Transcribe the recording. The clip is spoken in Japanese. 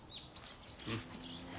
うん。